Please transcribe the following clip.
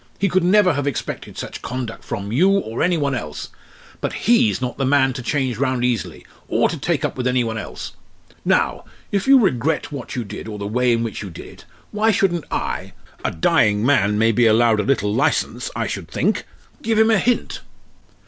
He could never have expected such conduct from you or any one else. But he's not the man to change round easily, or to take up with any one else. Now, if you regret what you did or the way in which you did it, why shouldn't I a dying man may be allowed a little licence I should think! give him a hint?"